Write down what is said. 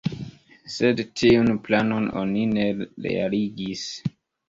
Sed tiun planon oni ne realigis.